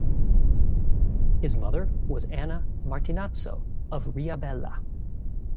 His mother was Anna Martinazzo, of Riabella.